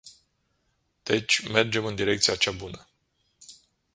Deci, mergem în direcția cea bună.